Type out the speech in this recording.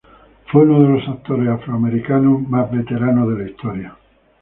Fue uno de los actores afroamericanos más veteranos de la historia.